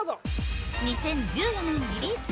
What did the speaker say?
２０１４年リリース